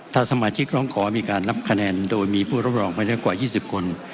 ถ้าสมาชิกร้องขอมีการนับคะแนนโดยมีผู้รับรองไม่น้อยกว่า๒๐คน